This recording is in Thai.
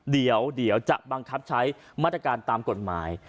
เดี๋ยวจะบังคับใช้มาตรการตามกฎหมาย